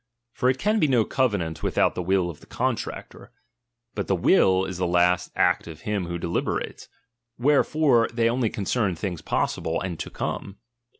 For it can be no cove ^^^^^^ nant without the will of the contractor. But the <Mie^ nm will is the last act of him who deliberates ; where m™ie^Ia fore they only concern thingspossiMe and to come.